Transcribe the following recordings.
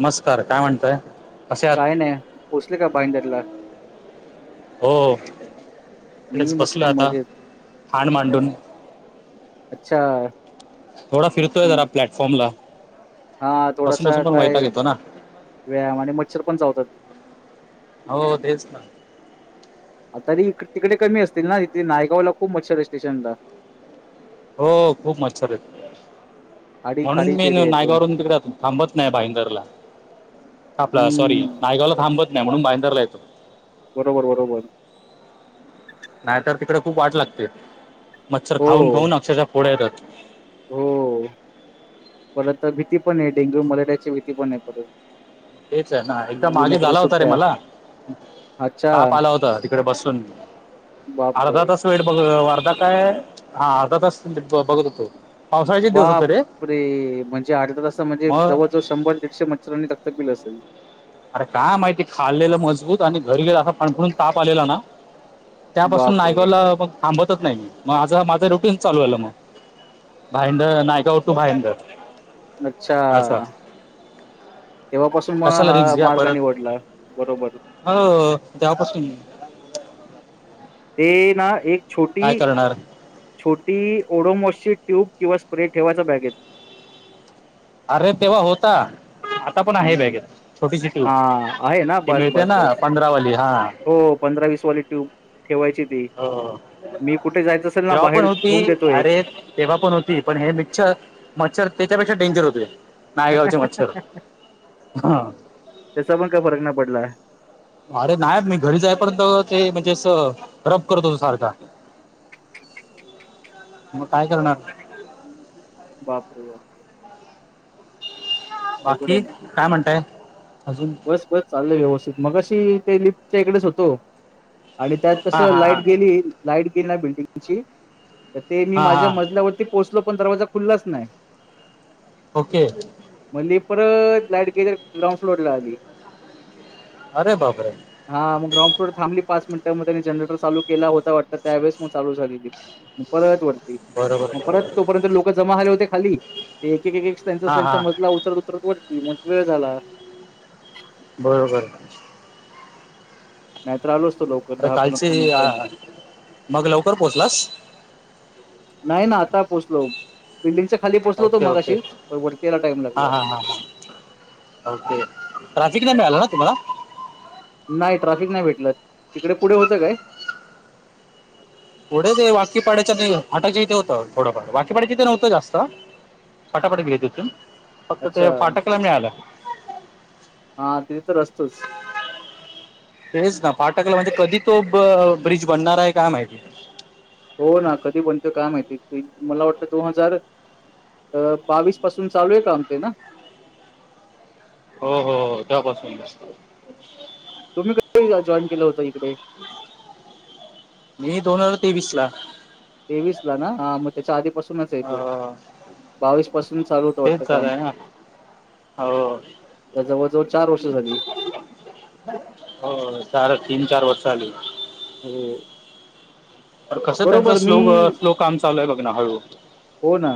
नमस्कार काय? म्हणतय काय नाही पोचले का भाईंदर लां. हो तेच मस्त बसलो आता मजेत. थान मांडून. अच्छा! थोडा फिरतोय जरा हं, प्लॅटफॉर्म ला. हा थोडासा काय व्यायाम आणि मच्छर पण चावतात. हो तेच ना. आता तरी इक तिकडे कमी असतील ना तिथे नायगाव ला खूप मच्छर आहे स्टेशनला. हो खूप मच्छर येत. खाडी म्हणून खाडीच मी एरिया आहे तो. नायगाव वरून तिकडे थांबत नाही भाईंदरला. आपला सॉरी हम्म. नायगावला थांबत नाही म्हणून भाईंदरला येतो. बरोबर बरोबर. नाहीतर तिकडे खूप वाट लागते मच्छर हो, खाऊन खाऊन अक्षरशः फोड्या येतात. हो परत भीती पण ये डेंग्यू मलेरियाची भीती पण ये परत. हेच आहे ना एकदम मागे विनाकारण झाला होता रे सुट्ट्या. मला. अच्छा ताप आला होता तिकडे बसून. बाप अर्धा तास वेळ बघ अर्धा काय हा अर्धा तास बघत होतो. पावसाळ्याचे दिवस होते रे बापरे! म्हणजे अर्धा तासता म्हणजे जवळ मग जवळ शंभर दीडशे म्ह- सरांनी दत्तक दिलं असेल. अरे काय माहिती खाल्लेलं मजबूत आणि घरी गेलं असा फणफणून ताप आलेला ना. त्यापासून बापरे! नायगवला मग थांबतच नाही मग माझं माझं रुटीन चालू आहेलं मग. भायंंदर नायगाव टू भाईंदर अच्छा असं तेव्हापसून तु कशाला रिक्स हा घ्या मार्ग परत निवडला बरोबर. हो तेव्हापासून. ते ना एक काय छोटी- करणार छोटी ओडोमोसची ट्यूब किंवा स्प्रे ठेवायच बॅगेत. अरे तेव्हा होता. आता पण आहे हम्म. बॅगेत छोटीशी ट्यूब हा आहे ना ती बस मिळते बस ना बस पंधरावाली हा. हो पंधरा वीस वाली ट्यूब ठेवायची ती. हो मी कुठे जायचं असेल ना तेव्हा पण बाहेर होती ठेवून देतो एक अरे तेव्हा पण होती. पण हे मिक्चर मच्छर त्याच्यापेक्षा डेंजर होते. नायगावचे मच्छर हा त्याचा पण काय फरक नाही पडलाय. अरे नाही मी घरीच आहे पर्यंत ते म्हणजे रब करत होतो सारखा. मग काय? करणार. बापर! बाप. अवघड आहे बाकी मग काय म्हणताय अजून बस बस चाललंय व्यवस्थित मगाशी ते लिप्टच्या इकडेच होतो आणि त्यात हा कसं हा लाईट हा गेली लाईट गेली ना बिल्डिंग ची ते मी हा हा माझ्या मजल्यावरती पोहोचलो पण दरवाजा खुल्लाच नाय. ओके. मल्ली परत लाईट गेली ग्राउंड फ्लोर ला आली. अरे बाप रे! हा मग ग्राउंड फ्लोर थांबली पाच मिनटं मग त्यानी जनरेटर चालू केला होता वाटतं त्या वेळेस म चालू झाली लिफ्ट. म परत वरती बरोबर म परत बरोबर तोपर्यंत लोकं जमा झाले होते खाली ते एक एक एक त्यांच हा त्यांचा हा मजला उतरत उतरत वरती मग वेळ झाला. बरोबर नाही तर आलो असतो लव अरे कालची आ मग लवकर पोहोचलास? नाही ना आता पोचलो बिल्डिंगच्या खाली पोचलो होतो ओके मग ओके अशीच पर वरती यायला टाइम हा लागला. हा हा हा ओके ट्राफिक नाही मिळाला ना तुम्हाला? नाही ट्राफिक नाही भेटलं तिकडे पुढे होतं काय पुढे ते वाकी पाड्याच्या ती फाटकच्या इथं होतं थोडंफार वाकीपाड्याची इथे नव्हतं जास्त फटाफट गेले तिथून फक्त ते अच्छा फाटकला मिळालं. हा तिथे तर असतोच. तेच ना फाटकला म्हणजे कधी तो ब ब्रिज बनणार आहे काय माहिती. हो ना कधी बनतो काय माहिती ती मला वाटतं दोन हजार अ बावीस पासून चालू आहे काम ते ना? हो हो हो त्या पासूनतच. तुम्ही कधी जॉईन केलं होता इकडे? मी दोन हजार तेवीस ला. तेवीस ला ना हा मग त्याच्या आधीपासूनच आहे तेे अ बावीस पासून चालू होतं तेच वाटतं चालू काम आहे ना हो त्या जवळ-जवळ चार वर्ष झाली. हो साडे तीन चार वर्ष झाली. हो. तर कसं त्यांच बरोबर मी स्लो स्लो काम चालू आहे बघ ना हळू. हो ना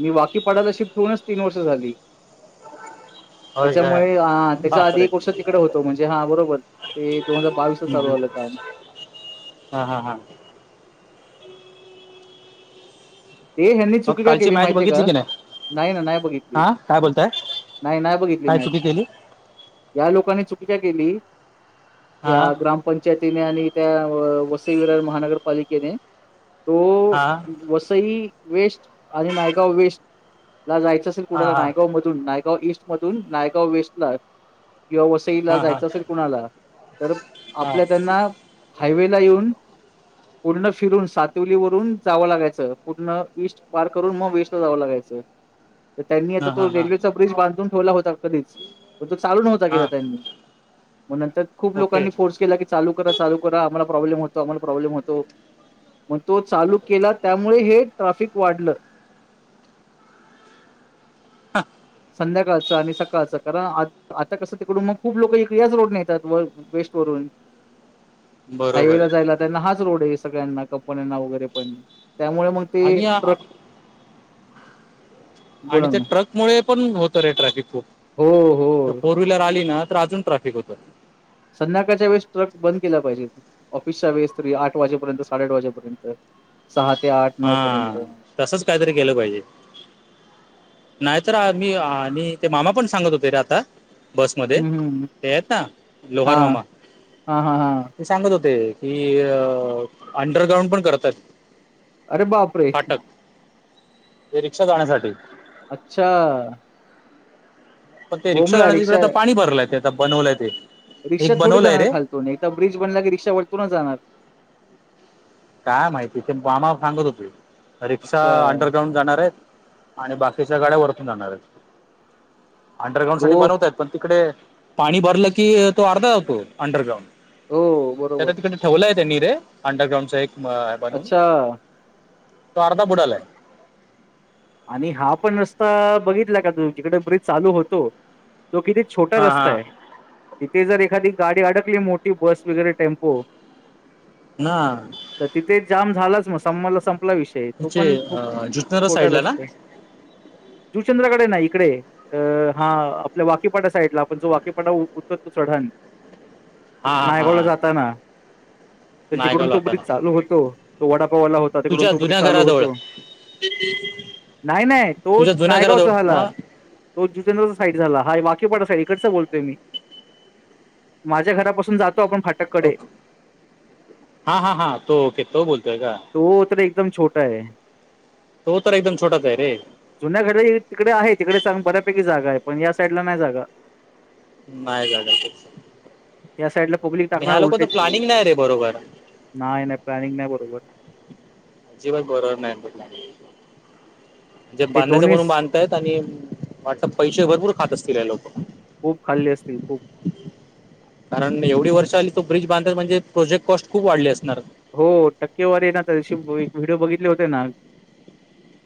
मी वाकीपाडाला शिफ्ट होऊनच तीन वर्ष झाली. होय काय त्याच्यामुळे आ त्याच्या आधी बापरे एक वर्ष तिकडे होतो म्हणजे हा बरोबर. ते दोन हजार बावीस ला चालू झालं काम. हा हा हा. ते ह्यांनी मग चुकी काय कालची केली मॅच माहितीय का बघितली की नाही नाही ना नाही बघितली. हा काय बोलताय नाही नाही बघितली काय चुकी मॅच. केली या लोकांनी चुकीचा केली हा या ग्राम पंचायतीने आणि त्या व वसई विरार महानगरपालिकेने तो हा वसई वेस्ट आणि नायगाव वेस्ट ला जायचं असेल हा कुणाला हा नायगाव म धून नायगाव ईस्ट मधून नायगाव वेस्ट ला किंवा वस तईला हा हा जायच असेल कुणाला तर हा आपल्या त्यांना हायवे ला येऊन पूर्ण फिरून सातवली वरून जावं लागायचं. पूर्ण ईस्ट पार करून म वेस्ट ला जावं लागायचं. तर त्यांनी आता हा हा तो हा रेल्वेचा ब्रिज बांधून ठेवला होता कधीच पण तो चालू नव्हता हा केला त्यांनी म नंतर खूप ओके लोकांनी फोर्स केला कि चालू करा, चालू करा आम्हाला प्रॉब्लेम होतोय, आम्हाला प्रॉब्लेम होतोय मग तो चालू केला तर त्यामुळे हे ट्राफिक वाढलं. हा, संध्याकाळचं आणि सकाळचं करा, आज आता कसं तिकडून मग खूप लोक इ याच रोडने येतात व वेस्ट वरून. [inaudible] हायवे ला जायला त्यांना हाच रोड ये, सगळ्यांना कपन्यांना वगैरे पण त्यामुळे मग ते आणि ट्रक आणि बोला त्या ना ट्रक मुळे पण होत रे ट्रॅफिक खूप. हो, हो.... तर फोर व्हीलर आली ना, तर अजून ट्रॅफिक होतं. संध्याकाळच्या वेळेस ट्रक बंद केल्या पाहिजेत. ऑफिसच्या वेळेस तरी आठ वाजेपर्यंत, साडे आठ वाजेपर्यंत सहा ते आठ नऊ पर्यंत. तसच काहीतरी केलं पाहिजे. नाही तर आज मी आणि ते मामा पण सांगत होते रे आता. बसमध्ये हम्म ते आहेत ना, हा लोहार मामा. हा हा हा ते सांगत होते की, अं अंडरग्राउंड पण करताहेत. अरे बापरे. ते रिक्षा जाण्यासाठी. अच्छा.... पण ते रिक्षा जाण्याच्या इकडे आता पाणी भरलंय आता बनवलंय ते, एक बनवलंय रे. तो एकदा ब्रिज बनला की रिक्षा वरतूनच जाणार. काय माहिती ते मामा सांगत होते, रिक्षा अच्छा अंडरग्राउंड जाणारे आणि बाकीच्या गाड्या वरतुन जाणार आहेत, अंडरग्राउंड हो साठी बनवता आहेत. पण तिकडे पाणी भरलं की तो अर्धा होतो अंडरग्राउंड हो त्याला बरोबर तिकडनं ठेवलंय त्यांनी रे अंडरग्राउंडचा एक म बणून अच्छा तो अर्धा बुडाला आहे. आणि हा पण रस्ता बघितला का तू, जिकडं ब्रिज चालू होतो तो किती छोटा हा रस्ता हा आहे, तिथे जर एखादी गाडी अडकली मोठी बस वगैरे टेम्पो हा, तर तिथे जाम झालाचं म संमला संपलाच विषय. तो तिचे पण खूप अं शिवचंद्र साईड ला ना? शिवचंद्राकडे नाही इकडे अ हा आपल्या वाकीपाटा साइडला, आपण जो वाकीपाटा उतरतो तो चढण. ते हा हा नायगावला हा जाताना. त जिकडून नायगावला तो होता ब्रिज ना चालू होतो, तो वडापावाला होता तिकडून तुझ्या तो ब्रिज जुन्या चालू घराजवळ होतो [inaudible] नाही, नाही तो तुझ्या जुन्या घराजवळ नायगावचा झाला. मग तो जुसेेंद्रचा साइड झाला हा वाकीपाडा साईडकडचं बोलतोय मी. माझ्या घरापासून जात ओक हा, हा, हा तो ओके तो बोलतोय का? तो तर एकदम छोट्या. तो तर एकदम छोटाचं आहे रे. जुन्याघरी तिकडे आहे, तिकडे सांग बऱ्यापैकी जागा आहे, पण या साईडला नाही जागा. माय जागा तेच. या साईडला पब्लिक टाकणार उलटे तु प्लॅनिंग नाही रे बरोबर नाय नाय प्लॅनिंग नाय बरोबर. अजिबात बरोबर नाही बघ प्लॅनिंग, जग ते बांधायच दोन्ही म्हणून बांध तायत आणि वाटत पैसे भरपूर खात असतील हे लोक. खूप खाल्ली असतील खूप. कारण एवढी वर्ष आली तो ब्रिज बांधतात म्हणजे प्रोजेक्ट कॉस्ट खूप वाढली असणार. हो टक्केवारी आहे ना तशी व्ही व्हिडओ बघितले होते ना,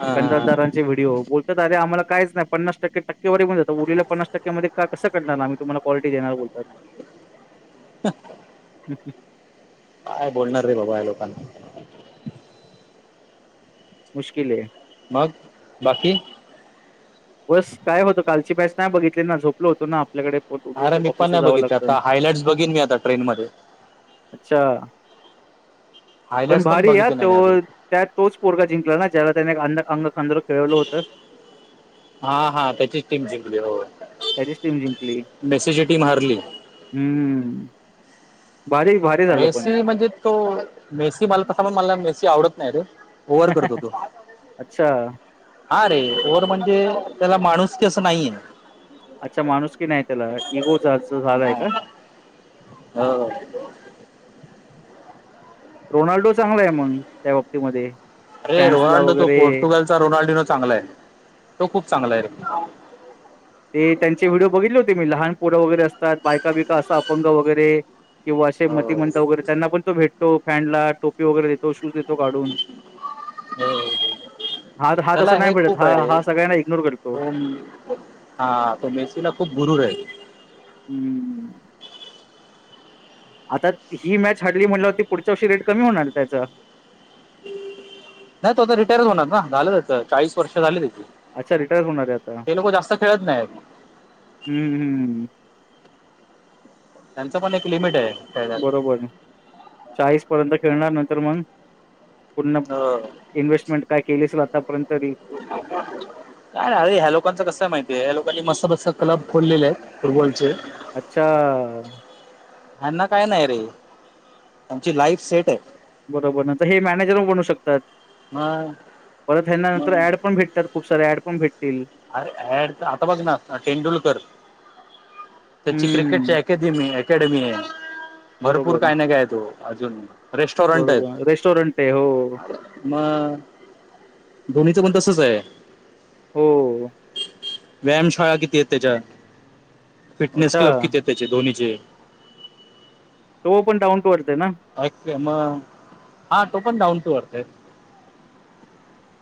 हा कंत्राटदारांचे. व्हिडिओ बोलतात आणि आम्हाला काहीच नाही पन्नास टक्के टक्केवारी मध्ये जातात उरलेल्या पन्नास टक्क्या मध्ये काय कस करणार, आम्ही तुम्हाला. क्वालिटी देणार बोलतात. ह [unintelligible] [inaudible] काय बोलणार रे बाबा या लोकांना. मुश्किल ये मग, बाकी. बस काय होतं कालची मॅच नाही बघितली ना झोपलो होतो ना आपल्याकडे अरे मी पण ऑफिसला नाही जावं बघितलं लागतं. आता हायलाइट्स बघेन मी आता ट्रेन मध्ये. अच्छा, पण हायलाइट्स भारी आहे हा बघितले नाही मी अजून तो त्यात तोच पोरगा जिंकला ना ज्याला त्याने एक अंदा अंगखांंदया वर खेळवलं होतं. हा हा त्याचीच टीम जिंकली हो. त्याचीच टीम जिंकली. मेसीची टीम हारली. हम्म, भारी भारी झालं पण मेसी म्हणजे तो मेसी मला तसा पण मला मेसी आवडत नाही रे. ओव्हर करतो तो. अच्छा हा रे ओव्हर म्हणजे, त्याला माणूसकी असं नाहीये. अच्छा माणूसकी नाही त्याला, इगो जास्त झालाय का? नाहीये हो रोनाल्डो चांगलाय मंग त्या बाबतीमध्ये अरे फॅन्सला रोनाल्डो तो वगैरे पोर्तुगालचा रोनाल्डोनो चांगला आहे, तो खूप चांगला आहे रे. ते त्यांचे व्हिडिओ बघितले होते मी लहान पोरं वगैरे असतात बायका बियका असं अपंग वगैरे. किंवा असे हो मतीमंत वगैरे त्यांना पण तो भेटतो फॅनला टोपी वगैरे देतो, शूज देतो काढून. हा, हा तस नाही भेटत हा हा सगळ्यांना इग्नोर करतो. ओम [unintelligible] हा तो मेसीला खूप गुरुर हे. हम्म आता, ही मॅच हरली म्हटल्यावर पुढच्या वर्षी रेट कमी होणार त्याचा. नाही तो आता रिटायरच होणार ना झालं त्याच चाळीस वर्ष झाले त्याचे. अच्छा रिटायर होणार आहे आता, नाहीत हम्म हम्म. त्यांच पण एक लिमिट आहे. खेळण्याचं बरोबर आहे, चाळीस पर्यंत खेळणार नंतर मंग पूर्ण, हो. इन्व्हेस्टमेंट काय केली असेल आतापर्यंत तरी. [unintelligible] काय आहे हया लोकांचं कस हे माहितीय, ह्या लोकांनी मस्त मस्त क्लब खोलेले आहेत फूटबॉल चे अच्छा ह्यांना काय नाय रे, ह्यांची लाईफ सेट हे. बरोबर ना तर हे, मॅनेजर बनू शकतात, मग परत ह्यांना नंतर मग ऍड पण भेट तर खूप साऱ्या ऍंड पण भेटतील. अरे ऍड आता बघ ना हा तेंडुलकर त्याची क्रिकेटची हम्म, ए अदमी आहेत, अकॅडमी आहे. भरपूर बरोबर, काय नाही काय तोअजून, रेस्टॉरंट आहेत. बरोबर. रेस्टॉरंट आहे. हो, मग दोघींचा बी तसंच आहे. हो.. व्यायामशाळा किती त्याच्या, फिटनेस अच्छा, क्लब किती अहेत त्याचे धोनीचे तो पण डाउन टु अर्थ हे ना. अ मग हा तो पण डाऊन टू अर्थ हे.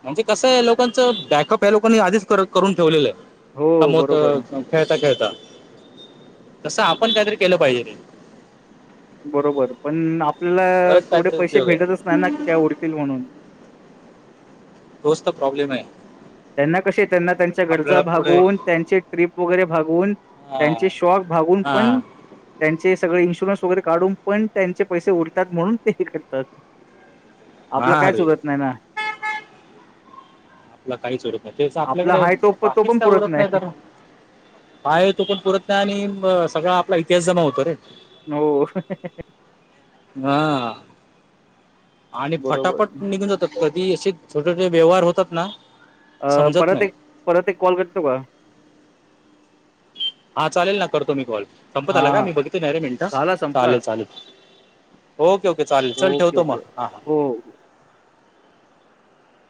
म्हणजे कसं आहे लोकांचं बॅकअप या लोकांनी आधीच करून ठेवलेलं आहे. हो, कमवत बरोबर, खेळता खेळता तस आपण काहीतरी केलं पाहिजे रे. बरोबर पण आपल्याला तरच तेवढे काहीतरी पैसे उपयोग आहे भेटतच नाही ना की काय उरतील म्हणून तोच तर प्रॉब्लेम आहे. त्यांना कसे त्यांना त्यांच्या गरजा आपल्याला पुढे भागून त्यांचे ट्रिप वगैरे भागून हा त्यांचे शॉक भागून हा पण त्यांचे सगळे इन्शुरन्स वगैरे काढून पण त्यांचे पैसे उरतात. म्हणून, ते हे करतात. आपलं हा कायच रे उरत नाही ना. आपल काहीच उरत नाही तेच, आपला आपल्याकडे आहे तो पण तो बाकीच पण काय पुरत उरत नाही तर. हाय येतो तो कपुरत नाही आणि सगळा आपला, इतिहास जमा होतो रे. होहं हः हः.. हा आणि बरोबर. फटाफट निघून जातो. कधी असे छोटे छोटे, व्यवहार होतात ना अ.. समजत परत नाही एक परत एक कॉल करतो का? हा चालेल ना करतो मी कॉल संपत हां, आला का? हां. मी बघितो न मिनिटं झाला संपला झलालेल चालेल ओके ओके चालेल चल ओके ठेवतो ओके मग हा हो हा.. हो